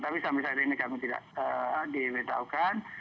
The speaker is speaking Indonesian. tapi sampai saat ini kami tidak diberitahukan